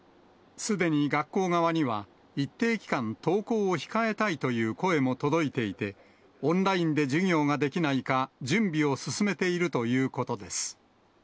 すでに学校側には、一定期間、登校を控えたいという声も届いていて、オンラインで授業ができないか、準備を進めているということです。